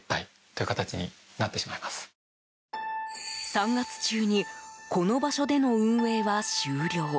３月中にこの場所での運営は終了。